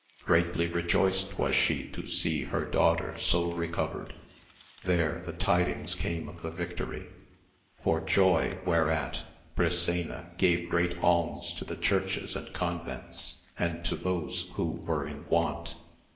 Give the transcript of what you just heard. Greatly rejoiced was she to see her daughter so recovered. There the tidings came of the victory, for joy whereat AMADIS OF GAUL 63 Brisena gave great alms to the churches and convents, and to those who were in want.